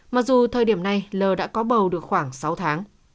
mặc dù thời điểm này l đã có bầu được khoảng sáu tháng